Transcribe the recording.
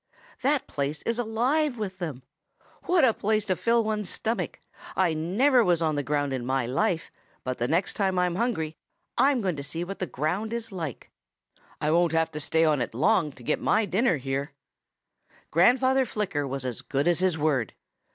'That place is alive with them. What a place to fill one's stomach! I never was on the ground in my life, but the next time I'm hungry, I'm going to see what the ground is like. I won't have to stay on it long to get my dinner here.' "Grandfather Flicker was as good as his word.